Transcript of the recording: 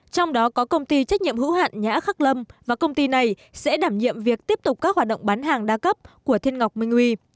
trong đó có công ty trách nhiệm hữu hạn nhã khắc lâm và công ty này sẽ đảm nhiệm việc tiếp tục các hoạt động bán hàng đa cấp của thiên ngọc minh huy